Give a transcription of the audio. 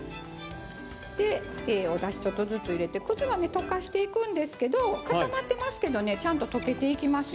ちょっとずつ入れて葛は溶かしていくんですけど固まってますけどちゃんと溶けていきますよ。